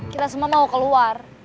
kita semua mau keluar